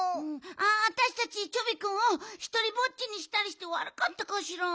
あたしたちチョビくんをひとりぼっちにしたりしてわるかったかしら。